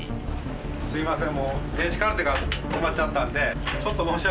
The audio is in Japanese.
すいません。